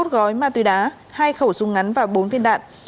bốn mươi một gói ma túy đá hai khẩu súng ngắn và bốn viên đạn